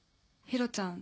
ヒロちゃん